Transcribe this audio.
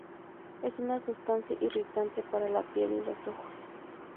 Es una sustancia irritante para la piel y los ojos.